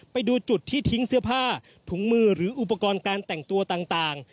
ไปดูจุดที่ทิ้งเสื้อผ้าถุงมือหรืออุปกรณ์การแต่งตัวต่าง